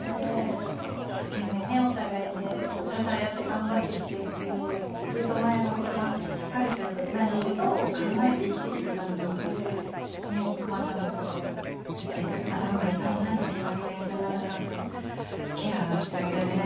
一生懸命、お互い支え合って頑張ってきてずっとマヤのことばかりというかマヤのことを考えて生きてきていたのにクマさんのことで頭がいっぱいになってしまってなかなかケアしてあげられない